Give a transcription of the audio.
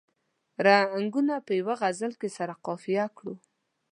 رنګونه په یوه غزل کې سره قافیه کړو.